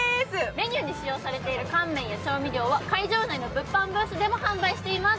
メニューに使用されている乾麺は会場内の物販ブースでも販売しています。